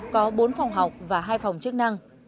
có bốn phòng học và hai phòng chức năng